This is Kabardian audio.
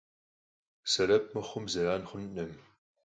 Сэбэп мыхъумэ, зэран хъункъым.